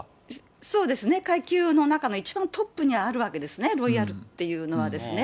そうですね、階級の中の一番トップにあるわけですね、ロイヤルっていうのはですね。